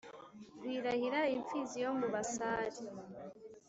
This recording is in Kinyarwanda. Rwirahira, imfizi yo mu basare